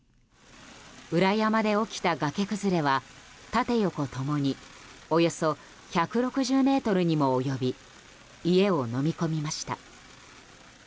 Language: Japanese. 裏山で起きた崖崩れは縦横共におよそ１６０ｍにも及び家をのみ込みました。